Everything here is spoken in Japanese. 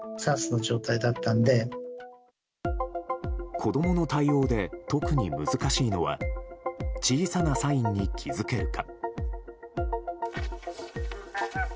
子供の対応で、特に難しいのは小さなサインに気付けるか。